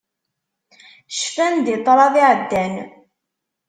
Cfan-d i ṭṭrad iɛeddan.